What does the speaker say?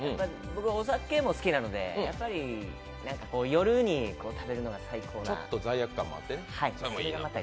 僕はお酒も好きなので、夜に食べるのが最高な。